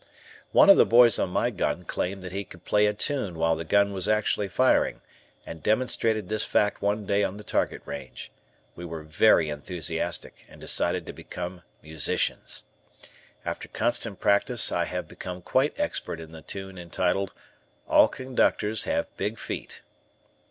One of the boys on my gun claimed that he could play a tune while the gun was actually firing, and demonstrated this fact one day on the target range. We were very enthusiastic and decided to become musicians. After constant practice I became quite expert in the tune entitled ALL CONDUCTORS HAVE BIG FEET.